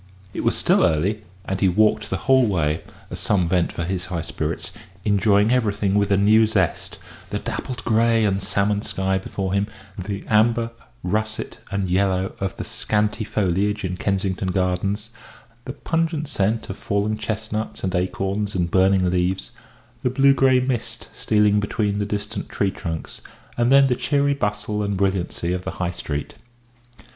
It was still early, and he walked the whole way, as some vent for his high spirits, enjoying everything with a new zest the dappled grey and salmon sky before him, the amber, russet, and yellow of the scanty foliage in Kensington Gardens, the pungent scent of fallen chestnuts and acorns and burning leaves, the blue grey mist stealing between the distant tree trunks, and then the cheery bustle and brilliancy of the High Street.